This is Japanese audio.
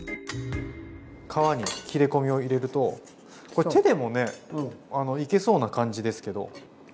皮に切れ込みを入れるとこれ手でもねいけそうな感じですけど。